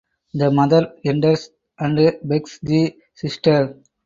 The mother enters and begs the sister.